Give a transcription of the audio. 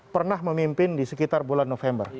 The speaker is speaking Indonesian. pernah memimpin di sekitar bulan november